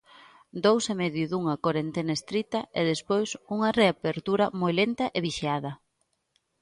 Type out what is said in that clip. Dous e medio dunha corentena estrita e despois unha reapertura moi lenta e vixiada.